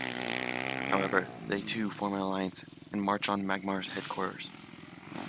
However, they too form an alliance, and march on Magmar's headquarters.